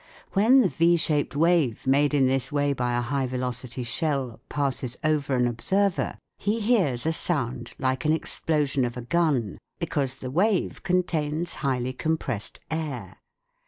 When the V shaped wave made in this way by a high velocity shell passes over an observer, he hears a sound like an explosion of a gun because the wave contains highly compressed air.